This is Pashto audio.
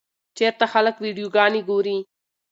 چېرته خلک ویډیوګانې ګوري؟